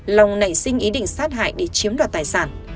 long nảy sinh ý định sát hại để chiếm đoạt tài sản